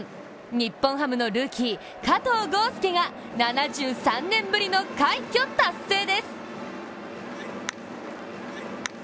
日本ハムのルーキー、加藤豪将が７３年ぶりの快挙達成です。